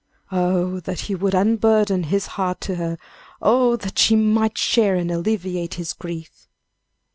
Oh, that he would unburden his heart to her; oh! that she might share and alleviate his griefs.